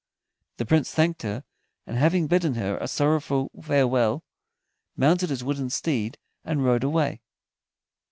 The Prince thanked her, and having bidden her a sorrowful farewell, mounted his wooden steed and rode away.